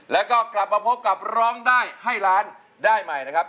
แล้วก็กลับมาพบกับร้องได้ให้ล้านได้ใหม่นะครับ